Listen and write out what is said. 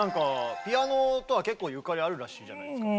ピアノとは結構ゆかりあるらしいじゃないですか。